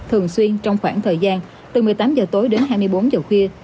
thường xuyên trong khoảng thời gian từ một mươi tám h tối đến hai mươi bốn giờ khuya